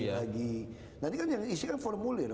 nanti kan yang diisikan formulir